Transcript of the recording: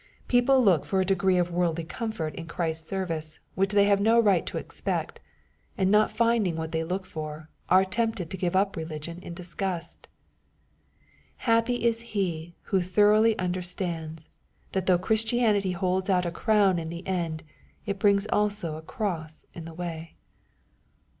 People look for a degree of worldly comfort in Christ's MATTHEW, CHAP. X. 107 service which they have no right to expect, and not find ing what they look for, are tempted to give up religion in disgust. Happy is he who thoroughly understands, that though Christianity holds out a crown in the end, it brings also a cross in the way.